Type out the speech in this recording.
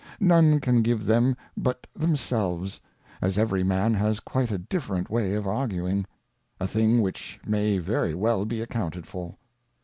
None can give them but themselveSj_ as every Man 1 has quife^a different way of arguing : A thing which may very well be~ accounted for.